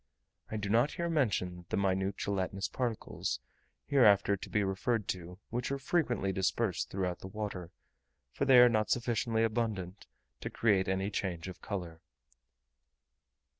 I do not here mention the minute gelatinous particles, hereafter to be referred to, which are frequently dispersed throughout the water, for they are not sufficiently abundant to create any change of colour.